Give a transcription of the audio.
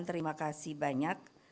terima kasih banyak